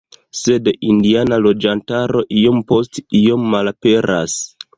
Sed indiana loĝantaro iom post iom malaperas.